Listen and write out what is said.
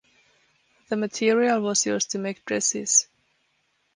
The material was used to make dresses.